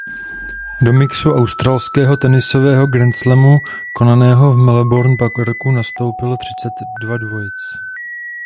Do mixu australského tenisového grandslamu konaného v Melbourne Parku nastoupilo třicet dva dvojic.